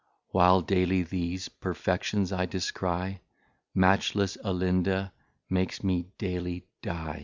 While daily these Perfections I discry, Matchless Alinda makes me daily dy.